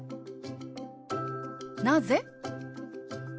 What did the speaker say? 「なぜ？」。